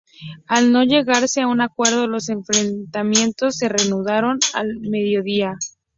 Al no llegarse a un acuerdo, los enfrentamientos se reanudaron al mediodía.